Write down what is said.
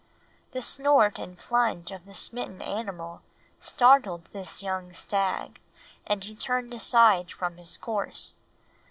The snort and plunge of the smitten animal startled this young stag and he turned aside from his course.